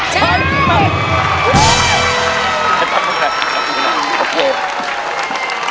ใช้ครับ